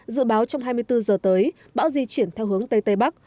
dự báo trong hai mươi bốn giờ tới bão di chuyển theo hướng tây tây bắc